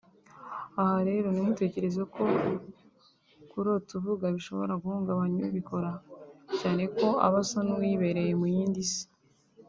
aha rero ntimutekereze ko kurota uvuga bishobora guhungabanya ubikora cyane ko aba asa n’uwibereye mu yindi si